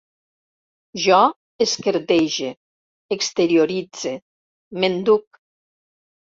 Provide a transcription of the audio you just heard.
Jo esquerdege, exterioritze, m'enduc